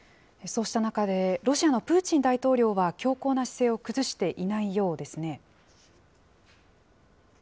そうした中で、ロシアのプーチン大統領は強硬な姿勢を崩していないようですね。